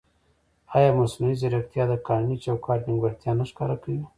ایا مصنوعي ځیرکتیا د قانوني چوکاټ نیمګړتیا نه ښکاره کوي؟